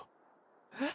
えっ？